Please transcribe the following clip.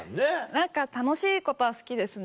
何か楽しいことは好きですね。